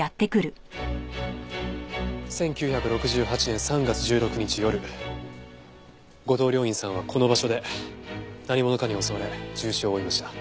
１９６８年３月１６日夜後藤了胤さんはこの場所で何者かに襲われ重傷を負いました。